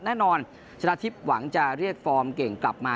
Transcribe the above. แน่นอนชนะทิพย์หวังจะเรียกฟอร์มเก่งกลับมา